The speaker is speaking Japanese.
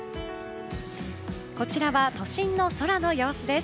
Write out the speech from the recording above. こちらは都心の空の様子です。